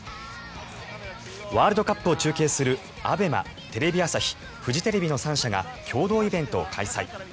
ワールドカップを中継するＡＢＥＭＡ、テレビ朝日フジテレビの３社が共同イベントを開催。